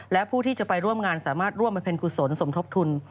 และผู้ที่จะไปร่วมงานสามารถร่วมประเพ็ญกุศลสมทบทุน